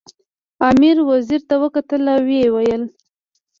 امیر وزیر ته وکتل او ویې ویل.